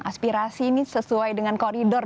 aspirasi ini sesuai dengan koridor